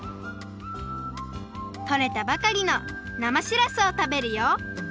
とれたばかりのなましらすをたべるよ！